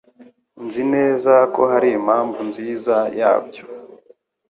Nzi neza ko hari impamvu nziza yabyo.